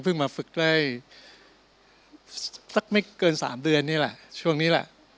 มาฝึกได้สักไม่เกิน๓เดือนนี่แหละช่วงนี้แหละ